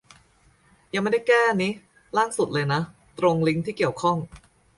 ยังไม่ได้แก้นิ ล่างสุดเลยนะ ตรง ลิงก์ที่เกี่ยวข้อง